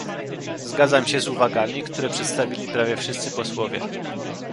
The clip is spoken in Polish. Zgadzam się z uwagami, które przedstawili prawie wszyscy posłowie